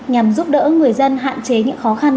nhằm giúp đỡ người dân hạn chế những khó khăn